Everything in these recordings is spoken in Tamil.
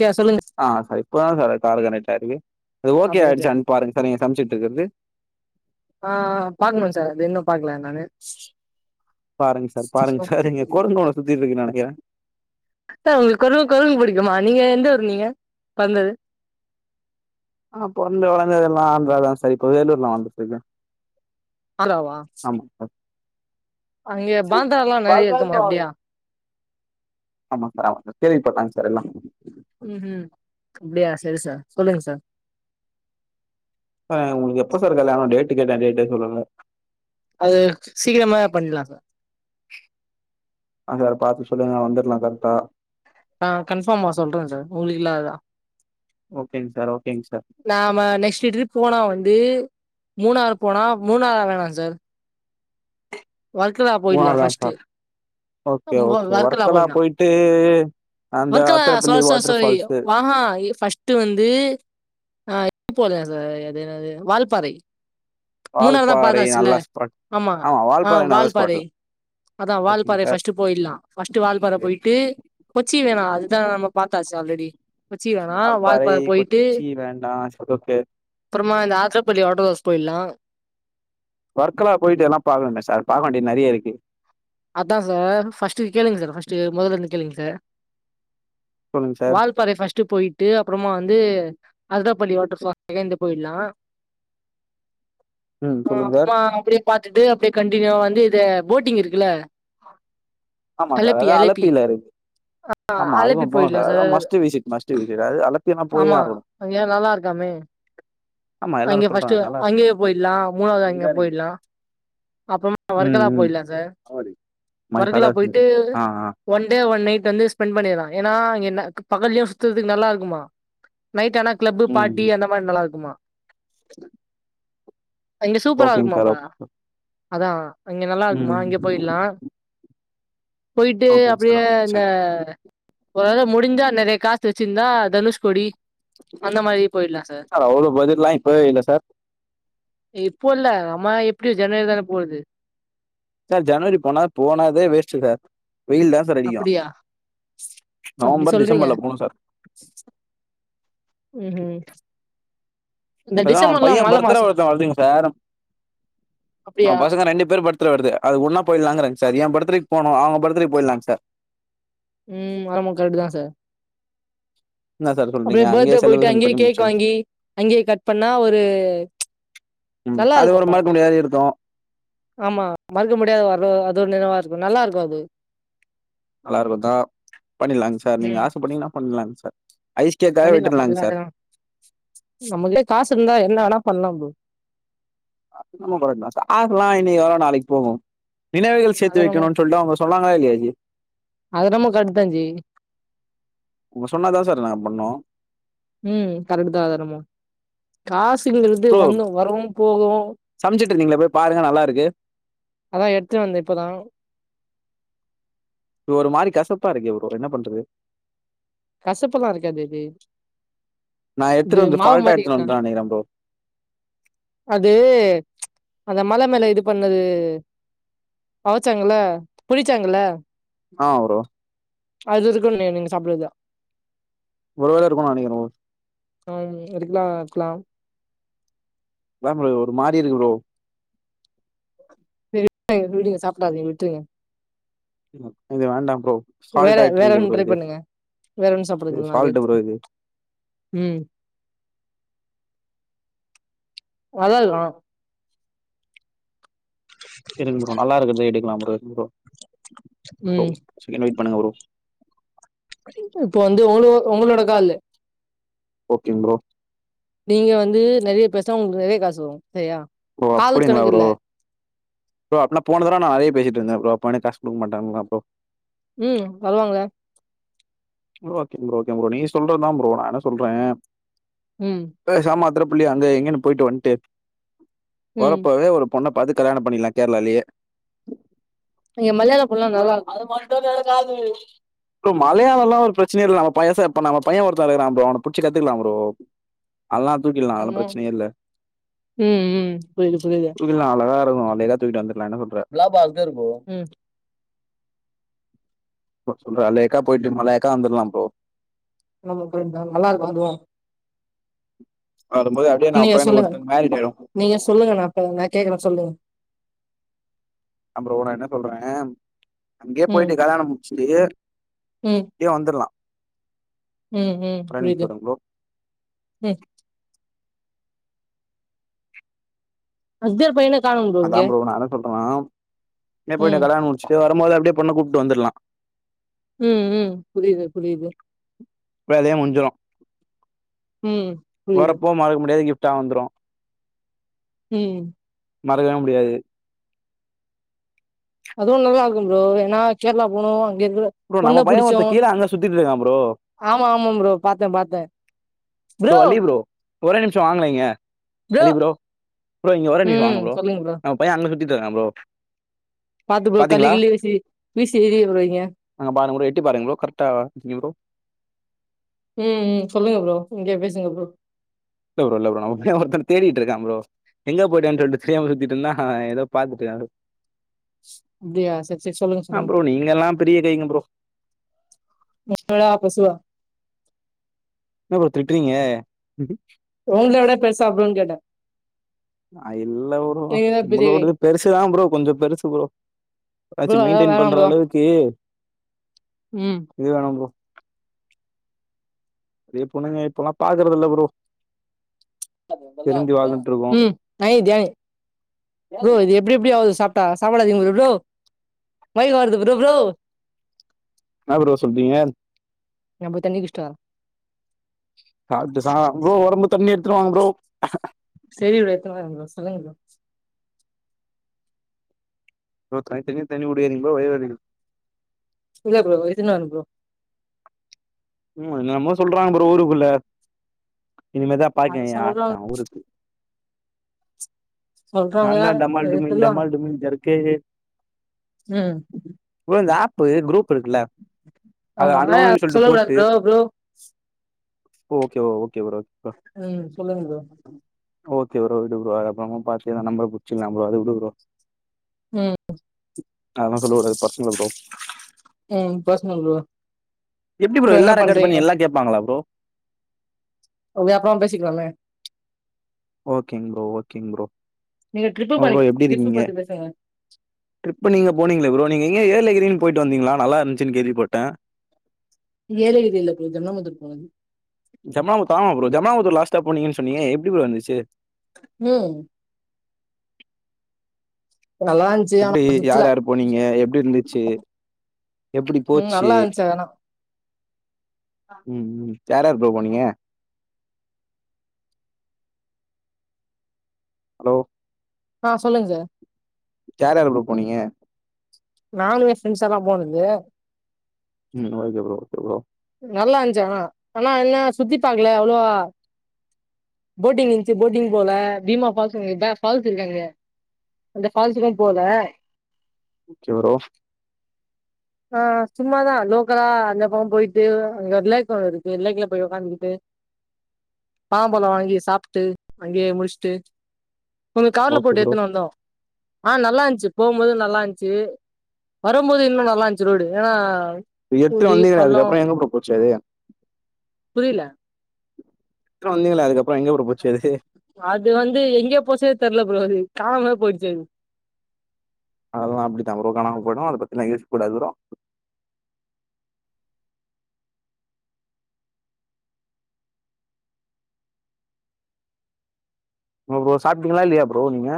கே சொல்லுங்க ஆ சார் இப்பதா சார் கால் கனெக்ட் ஆயிருக்கு அது ஓகே அப்டி அப்டியா ஆயிடுச்சான்னு பாருங்க சார் நீங்க சமைச்சிட்ருக்குறது ஆ ஆ பாக்கணுங்க சார் அது இன்னும் பாக்கல நானு பாருங்க சார் பாருங்க சார் இங்க கொரங்கு ஒன்னு சுத்திட்ருக்குன்னு நெனைக்கிறே சார் உங்களுக்கு கொரங்கு கொரங்கு புடிக்குமா நீங்க எந்த ஊரு நீீங்க பொறந்தது நான் பொறந்து வளந்ததெல்லா ஆந்திராதான் சார் இப்ப வேலூர்ல வாழ்ந்துட்ருக்கே ஆந்திராவா அங்க பாந்தரல்லா [inaudible] நெறைய இருக்குமா அப்டியா ஆமா சார் ஆமா சார் கேள்வி ம் ம் அப்டியா செரி சார் சொல்லுங்க சார் இப்ப உங்களுக்கு எப்ப சார் கல்யாண டேட்டு கேட்டேன் டேட்டே சொல்லல அது சீக்கிரமாவே பண்ணிட்லா சார் ஆ சார் பாத்து சொல்லுங்க வந்துட்லா கரெக்டா ஆ கன்பார்மா சொல்றேன் சார் உங்களுக்கு இல்லாததா ஓகேங்க சார் ஓகே நாம நெக்ஸ்ட்டு ட்ரிப் போனா வந்து மூணார் போனா மூணார் வேணாம் சார் வர்களா மூணார் போயிட்லாம் தான் பஸ்ட்டு சார் ஓகே ஓகே வர்களா போயிட்டு அந்த வர்களா அத்திரப்பள்ளி சொர் சொர் வாட்டர் சொய் ஃபால்ஸு ஆ ஆ பஸ்ட்டு வந்து ஆ போலயாம் சார் அது என்னது வால்பாறை மூணாறு தான் வால்பாறை பாத்தாச்சுல்ல நல்ல ஸ்பாட் ஆமா வால்பாறை நல்ல ஸ்பாட்தா அதா வால்பாறை பஸ்ட்டு போயிட்லாம் பஸ்ட்டு வால்பாற ஓகே போயிட்டு கொச்சி வேணா அதுதா நம்ம பாத் பாத்தாச்சு ஆல்ரெடி கொச்சி வேணாம் வால்பாறை வால்பாற போயிட்டு கொச்சி வேண்டா சரி ஓகே அப்பறமா இந்த ஆதரப்பள்ளி வாட்டர் பால்ஸ் போயிட்லா வர்களா போயிட்டு எல்லா பாக்கணுமே சார் பாக்க வேண்டியது நெறைய இருக்கு அதான் சார் பஸ்ட்டு கேளுங்க சார் பஸ்ட்டு மொதலேருந்து கேளுங்க சார் சொல்லுங்க சார் வால்பறை பஸ்ட்டு போயிட்டு அப்பறமா வந்து ஆத்தரப்பள்ளி வாட்டர் பால்ஸ் அங்கெருந்து போயிட்லா ம் ஆ சொல்லுங்க சார் அம்மா அப்டியே பாத்துட்டு அப்டியே கண்டினியூவா வந்து இது போட்டிங் இருக்குல்ல ஆமா சார் அலப்பி அதா அலப்பி அளப்பில இருக்கு ஆ ஆமா அலப்பி அதுவும் போணும் போயிட்லா sir must visit must visit அது அளத்தியலா போயே ஆகணு பெ ஆமா எல்லாரு அங்கே பஸ்ட்டு சொல்றாங்க நல்லா இருக்கு. அங்கேயே போயிட்லா மூணாவது அங்க வெங்காரியம். போயிட்லா அப்பறம் ம் வர்களா ம் போயலா சார் ஆவடி மை ஒர்க்லா ஃபாதர்ஸ் போயிட்டு மிரர் ஆ ஆ ஒன் டே ஒன் நைட் வந்து ஸ்பெண்ட் பண்ணிலா ஏன்னா ன பகல்லயு சுத்துறதுக்கு நல்லாருக்குமா நைட் ஆனா கிளப்பு ம் பாட்டி அந்த மாரி நல்லாருக்குமா அங்க சூப்பரா ஓகேங்க சார் இருக்குமாப்பா ஓகே அதா அங்க ம் நல்லாருக்குமா இங்க ஆ போயிட்டு ஓகேங்க சார் அப்டியே ஓகே இந்த சார் ஒருத முடிஞ்சா நெறைய ச்சிந்தா தனுஷ்கோடி அந்த மாரி போயிட்லா சார் அவ்ளோ பட்ஜெட்லா இப்பவே இல்ல சார் இப்போ இல்ல அம்மா எப்டி ஜனவரி தான போவுது சார் ஜனவரி போனா போனதே வேஸ்ட்டு சார் வெயில்தா சார் அடிக்கு அப்படியா அப்படி நவம்பர் டிசம்பர்ல போணு சார் ம்ஹு அதா அவ பைய மழ பர்த்டே மாசோ வருதா வருதுங்க சார் அப்படியா நம்ப பசங்க ரெண்டு பேர் பர்த்டே வருது அது ஒன்னா போயிலாங்கறேங்க சார் ஏ பர்த்டேக்கு போனோ அவுங்க பர்த் த்ரி போயிட்லாங்க சார் ம் ஆமா கரெட்க்டுதா சார் என்ன சார் அப்டியே சொல்றீங்க அங்கேயே பர்த்டே போயிட்டு செலிப்ரேஷன் அங்கேயே பண்ணி கேக் முடிச்சிடும் வாங்கி அங்கேயே கட் பண்ணா ஒரு ம் நல்லா அது இருக்கு ஒரு மறக்க முடியாத இருக்கு ஆமா மறக்க முடியாது வர அது ஒரு நினைவாருக்கு நல்லாருக்கு அது நல்லாருக்குந்தா பண்ணிலாங் சார் நீங்க ஆச பட்டீங்கன்னா பண்லாங்க சார் ஐஸ் கேக்காக பண்ணிர்லா பண் விட்டுடலாங்க சார் [unintelligible] நம்மட்ட காசு இருந்தா என்ன வேணா பண்லா ப்ரோ [inaudible] காஸ்லா இன்னைக்கு வரு நாளைக்கு போகு நினைவுகள் அது சேத்து என்னமோ வக்கணுன்னு சொல்ட்டு அவுங்க சொன்னாங்களா இல்லையா ஜி அது என்னமோ கரெக்ட் தா ஜி அவுங்க சொன்னதுதா சார் நாங்க பண்ணோ ம் கரெக்ட்டுதா அது என்னமோ காஸ் ட்டிங்கிறது ப்ரோ வார்டு வரு போகு சமைச்சிட்டு இருந்தீங்களே போய் பாருங்க நல்லா இருக்கு அதா எடுத்துட்டு வந்த இப்பதா இது ஒரு மாரி கசப்பா இருக்கே ப்ரோ என்ன பண்றது கசப்புல்லா இருக்காதே அது நா எத்துட்டு வந்து ஃபால்ட்டா எத்துட்டு வந்துட்டேன் நெனைக்கிற ப்ரோ அது அந்த மல மேல இது பண்ணது அவச்சாங்கல்ல புலிச்சாங்கல்ல ஆ ப்ரோ அது இருக்குன்னே நீங்க சாப்புறது ஒருவேள இருக்குன்னு நெனைக்கிற ஆ இருக்கலா க்கலாம் அதா ப்ரோ ஒரு மாரி இருக்கு ப்ரோ சேரி [inaudible] விடுங்க சாப்டாதீங்க விட்ருங்க ம்‌ இது வேண்டா ப்ரோ ஃபால்ட் வேற ஆயிட்டு வேற இருக்குது ஒன்னு ப்ரோ ட்ரைப் இது பண்ணுங்க வேற ஒன்னு இது சாப்புடுங்கா அத ஃபால்ட் ப்ரோ எடுத்து இது ம் நல்லதுதா இருக்கு ப்ரோ நல்லா இருக்கறத எடுக்கலா ப்ரோ இரு‌ ப்ரோ ம் [unintelligible] வெயிட் பண்ணுங்க ப்ரோ இப்போ வந்து உங்களோ உங்களோட காலு ஓகே ப்ரோ நீங்க வந்து நெறைய பேசுனா உங்களுக்கு நெறைய காசு வரு சரியா ஓ காலுக் அப்படிங்களா ப்ரோ கணக்குல்ல ப்ரோ அப்பன போன தரவ நா நெறைய பேசிட்ருந்த ப்ரோ அப்போ எனக் காசு குடுக்க மாட்டாங்களா ப்ரோ ம் தருவாங்களே bro okay bro okay bro நீங்க சொல்றதுதா ப்ரோ நா என்ன சொல்ற ம், பேசாம அதுல புள்ளி அங்க இங்கன்னு போயிட்டு வந்ட்டு ம். வரப்போவே ஒரு பொண்ண பாத்து கல்யாண பண்ணிக்கலா கேரளாலேயே இங்க மலையாள பொண்லா நல்லாருக்கு மலையாளல்லா ஒரு பிரச்சனை இல் நம பச நம்ம பைய ஒருத்த இருக்கா ப்ரோ அவன புடிச்சு கத்துக்கலா ப்ரோ அதல்லா தூக்கிடலா அதெல்லா ஆமா. பிரச்சனையே இல்ல ம், ம். புரியுது, புரியுது. தூக்கிட்லா அழகா இருக்கு நேக்கா தூக்கிட்டு வந்ரு ப்லாபா [unintelligible] ப்ரோ ப்ரோ‌ சொல்ற அலேக்கா போயிட்டு மலாக்கா வந்துட்லா ப்ரோ நம நல்லா இருக்கா ப்ரோ வரும்போது அப்டியே நா நீங்க பையனுக்கு சொல்லுங்க ஒருத்தனுக்கு மேரேஜ் ஆயிடு நீங்க சொல்லுங்க ந க் கேக்குற சொல்லுங்க அ ப்ரோ நா என்ன சொல்றே அங்கயே ம், போயிட்டு கல்யாணம் முடிச்சுட்டு ம், இப்டியே வந்துரலா ம் ம் புரியுது ப்ரோ ம் ஐய்யர் பையன காணோம் அதா இங்க. ப்ரோ நான் என்ன சொல்றேனா இப்டியே ம், போய்டு கல்யாணம் முடிச்சுட்டு வரும்போது அப்படியே பொண்ணு கூப்ட்டு வந்துரலா ம் ம் புரியது பரியது வேலையே முடிஞ்சிரு புரியுது. வரப்போ மறக்க முடியாது கிஃப்ட்டா வந்துரு ம் மறக்கவே முடியாது அதுவு நல்லா இருக்கு ப்ரோ ஏன்னா கேரளா போவ்ணு ங்க இருக்க ப்ரோ நம்ம பொண்ண பைய புடிச்சோ ஒருத்த கீழ அங்க சுத்திட்டு இருக்கா ப்ரோ ஆமா ஆமா ப்ரோ பாத்தே பாத்தே ப்ரோ அள்ளி ப்ரோ ஒரே நிமிஷ வாங்கலே இங்க அலி ப்ரோ ப்ரோ இங்க ஒர நிமிஷம் ம் வாங்க ப்ரோ சொல்லுங்க நம்ம பைய அங்க சுத்திட் ப்ரோ பாத்து ப்ரோ கள்ளு பாத்தீங்களா கிள்ளு விசி வீசி எரிருபோராங்க அங்க பாருங்க ப்ரோ பாருங்க ப்ரோ கரெக்டா நீ ப்ரோ ம் ம் சொல்லுங்க ப்ரோ இங்கே பேசுங்க ப்ரோ இல்ல ப்ரோ இல்ல ப்ரோ நம்ம பைய ஒருத்தன தேடிட்டு இருக்கான் ப்ரோ எங்க போயிட்டான் சொல்லி தெரியாம சுத்திட்டு இருந்தா ஏதோ பாத்துட்ட இரு [unintelligible] அப்டியா சரி சரி சொல்லுங்க ஆ சொல்லுங்க ப்ரோ நீங்கல்லா பெரிய கைங்க ப்ரோ மள பசுவா என்ன ப்ரோ திட்றீங்க உங்கள விட பெருசா ப்ரோன்னு கேட்டே ஆ இல்ல ப்ரோ நீங்கதா பெரியவங்க நம்மளோடது பெருசுதான் ப்ரோ கொஞ்ச பெருசு ப்ரோ ஆச்ச ப்ரோ அதெல்லா மெயின்டென் வேணா பண்ற ப்ரோ அளவுக்கு ம் இது வேணு ப்ரோ அ பொண்ணுங்க இப்பல்லா பாக்குறதுல்ல ப்ரோ திருந்தி வாழ்ந்துட்டு இருக்கோ ம் ந [unintelligible] ப்ரோ இது எப்டி எப்டி ஆவுது சாப்ட்டா சாப்டாதீங்க ப்ரோ மயக்கோ வருது ப்ரோ ப்ரோ என்ன ப்ரோ சொல்றீங்க நா போய் தண்ணி குடிச்சிட்டு வரே சாப்ட்டு சா ப்ரோ வரும்போது தண்ணி எடுத்துடுவாங்க ப்ரோ சரி ப்ரோ எத்துனு வர ப்ரோ சொல்லுங்க ப்ரோ ப்ரோ தண்னித்தனியா தண்ணி குடிகாதிங்க ப்ரோ வயிரு வலிக்கு சூர்யா ப்ரோ எத்துனு வர ப்ரோ ம் என்னன்னமோ சொல்றாங்க ப்ரோ ஊருக்குள்ள இனிமதா அது பாக்கனு ஆ சொல்றாங்க ஊருக்கு சொல்றாங்க நான் தான் டமால் டுமில் டமால் [unintelligible] டுமில் ஜர்க்கு ம் இப்ப குரூப் இருக்குல்ல அத ஆமா ஆ அண்ணோன்னு சொல்ட்டு சொல்ல கூடாது போட்டு ப்ரோ ப்ரோ ஓ okay bro okay bro bro ம் சொல்லுங்க ப்ரோ ஓகே ப்ரோ விடு ப்ரோ அது அப்றமா பாத்த எது நம்பர பிடுச்சர்லா அது விடு ப்ரோ ம் அதெல்லா சொல்ல கூடாது பர்சனல் ப்ரோ ம் பர்சனல் ப்ரோ எப்படி ப்ரோ எல்லா ரெகட் பண்ணி எல்லா கேட்பாங்களா ப்ரோ அத அப்றம பேசிக்கலாமே ஓகேங் ப்ரோ ஓகேங் ப்ரோ நீங்க ட்ரிப்பு பண்ணி ப்ரோ எப்படி ட்ரிப்பு இருக்கீங்க பத்தி பேசுங்க ட்ரிப் நீங்க போனீங்கள ப்ரோ நீங்க எங்க ஏலகிரின்னு போயிட்டு வந்தீங்களா நல்லா இருந்துச்சுன்னு கேள்வி பாட்டே ஏலகிரி இல்ல ப்ரோ ஜன்னமத்தூர் போனது ஜம்னாமத்தூர் ஜம்னமத்தூர் லாஸ்ட்டா போனீங்கன்னு சொன்னீங்க எப்படி ப்ரோ இருந்துச்சி ம் நல்லா இருந்துச்சு எப்படி ஆனா சுத்தல யார் யாரு போனீங்க எப்படி இருந்துச்சு எப்டி ம் போச்சி நல்லா இருந்துச்சு ஆனா ம் ம் யார் யார் ப்ரோ போனீங்க ஹலோ ஆ சொல்லுங்க யார் யார் ப்ரோ போனீங்க நானு யே ப்ரெண்ட்ஸ் எல்லா போனது ம் ஓகே ப்ரோ ஓகே ப்ரோ நல்லா இருந்துச்சி ஆனா ஆனா என்ன சுத்தி பாக்கல அவ்வளவா போட்டிங் இருந்துச்சி போட்டிங் போல பீமா பால்ஸ் பால்ஸ் இருக்கு அங்க அந்த பால்ஸ்சுகும் போல ஓகே ப்ரோ ஆ சும்மாதா லோக்கலா அந்த பக்கம் போயிட்டு அங்க ஒரு லேக்ல இருக்கு லேக்ல போய் உக்காந்துட்டு பலபழம் வாங்கி சாப்பிட்டு அங்கேயே முடிச்சுட்டு கொஞ்ச காவரல ஓகே போட்டு ப்ரோ எத்துன்னு வந்தோ ஆ நல்லா இருந்துச்சி போகும்போது நல்லா இருந்துச்சி வரும்போது இன்னும் நல்லா இருந்துச்சி இந்த ரோடு ஏன்னா எட்டு குழி வந்தீங்கலே பள்ளோ அதுக்குப்புற எங்க ப்ரோ போச்சி அது புரியல எட்டூ வந்தீங்களே அதுக்கப்பற அது வந்து எங்கேயோ போச்சே தெரியல ப்ரோ அது காணம போயிடுச்சி அது அதெல்லா அப்படித்தா ப்ரோ கணாம போயிடு அதை பத்திஎல்லா யோசிக் கூடாது ப்ரோ ப்ரோ ப்ரோ சாப்பிட்டீங்களா இல்லையா ப்ரோ நீங்க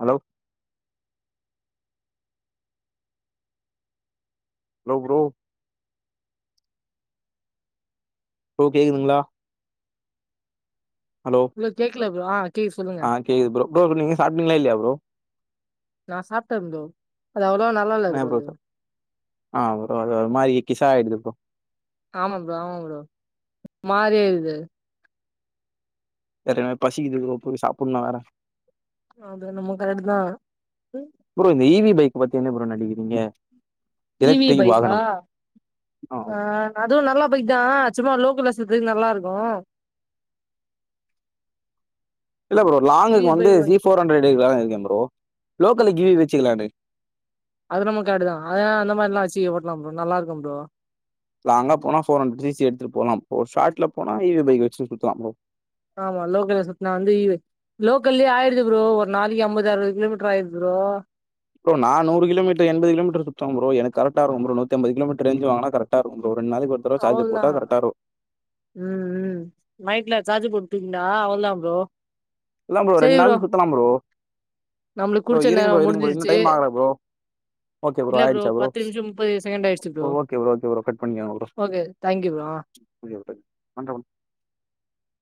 ஹலோ ஹலோ ப்ரோ கேக்குதுங்களா ஹலோ ப்ரோ கேக்குல ப்ரோ ஆ கேக்குது சொல்லுங்க ஆ கேக்குது ப்ரோ ப்ரோ நீங்க சாப்பிடிங்களா இல்லையா ப்ரோ நான் சாப்பிட்டே ப்ரோ அது அவ்ளோவா நல்லா இல்ல ஆ ப்ரோ அது ஆ அது ஒரு மாரி கிச ஆயிடுது ப்ரோ ஆமா ப்ரோ ஆமா ப்ரோ மாறி ஆயிருது வேற பசிக்குது ப்ரோ போய் சாப்பிடணு வேற அது என்னமோ கரெக்ட் தா ப்ரோ இந்த ஈவி பத்தி என்ன ப்ரோ நடிக்கிறீங்க இவி எலக்ட்ரிக் பைசா வாகனம் ஆ அதுவும் நல்லா இப்ப இதுதான் சும்மா லோக்கலசறக்கு நல்லா இருக்கு இல்ல ப்ரோ இ லாங்குக்கு வி வந்து பைக் சி வாங்கி போர் ஹண்ட்ரட்ம் இருக்கேன் ப்ரோ லோக்கல்ல கிவி வச்சுக்கலானு அது நம்ம கரெக்டு தான் ஆ அந்த மாரி வச்சு ஓட்டலாம் ப்ரோ நல்லா இருக்கும் ப்ரோ லாங்கா போனா போர் ஹண்ட்ரட் சீ சீ எத்துட்டு போலாம் ஒரு ஷாட்ல போனா இ வி வச்சுட்டு சுத்தலாம் ஆமா லோக்கல சுத்தன வந்து இவி லோக்கல்லே ஆயிருது ப்ரோ ஒரு நாலு எம்பது அறுது கிலோமீட்டர் ஆயிருது ஓ ப்ரோ நா நூரு கிலோமீட்டர் எண்பது கிலோமீட்டர் சுத்துவேன் ப்ரோ எனக்கு கரெட்டா இருக்கும் ப்ரோ நூத்தம்பது கிலோமீட்டர் ரேஞ்ச் வாங்னா கரெக்ட்டா இருக்கும் ப்ரோ நாளைக்கு ஒரு தடவ சார்ஜர் அவ்ள்தா போட்டா கரெக்டா இருக்கும். ம் ம் நைட்ல சார்ஜ் பிண்ணா அவன்தான் ப்ரோ இல்லன் ப்ரோ ரெண் நாள் சுத்தலாம் ப்ரோ நம்மளுக்கு ப்ரோ குடிச்ச இருங்க நேரோ ப்ரோ இருங்க ப்ரோ இன்னு முடிஞ்சிருச்சு டைம் ஆகல ப்ரோ ஓகே ப்ரோ இல்ல ஆயிடுச்சா ப்ரோ பத்து நிமிஷோ முப்பது செகண்ட் ஆயிடுச்சு okay bro okay bro cut பண்ணிக்கங்க ப்ரோ ஓகே தேங்க்யூ ப்ரோ ஆ [unintelligible]